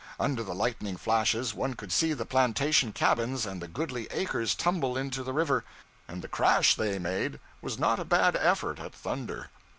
Under the lightning flashes one could see the plantation cabins and the goodly acres tumble into the river; and the crash they made was not a bad effort at thunder.